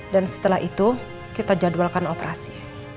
dan setelah itu kita jadwalkan operasi